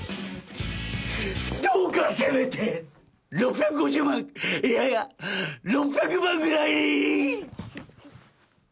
どうかせめて６５０万いやいや６００万ぐらいに！